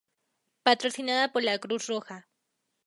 Patrocinada por la Cruz Roja.